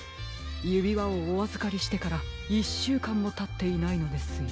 ゆびわをおあずかりしてから１しゅうかんもたっていないのですよ。